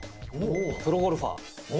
プロゴルファー。